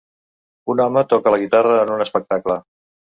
Un home toca la guitarra en un espectacle.